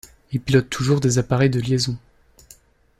Il pilote toujours des appareils de liaison.